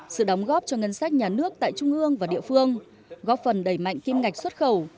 sự đóng góp cho ngân sách nhà nước tại trung ương và địa phương góp phần đẩy mạnh kim ngạch xuất khẩu